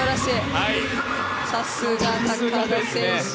さすが、高田選手。